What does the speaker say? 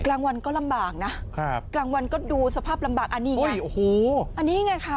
กลางวันก็ลำบากนะกลางวันก็ดูสภาพลำบากอันนี้ไงน่ะ